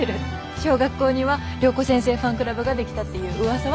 小学校には良子先生ファンクラブが出来たっていううわさは？